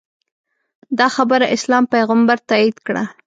دا خبره اسلام پیغمبر تاییده کړه